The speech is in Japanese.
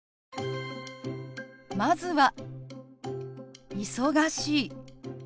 まずは「忙しい」。